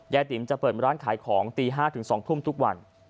ติ๋มจะเปิดร้านขายของตี๕ถึง๒ทุ่มทุกวัน